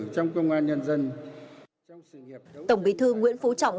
tổng bí thư nguyễn phú trọng